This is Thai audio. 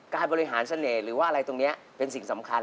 การบริหารเสน่ห์หรือว่าอะไรตรงนี้เป็นสิ่งสำคัญ